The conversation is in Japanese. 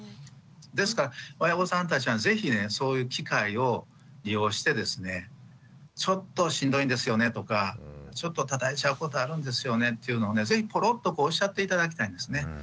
ですから親御さんたちは是非ねそういう機会を利用してですねちょっとしんどいんですよねとかちょっとたたいちゃうことあるんですよねっていうのをね是非ぽろっとこうおっしゃって頂きたいんですね。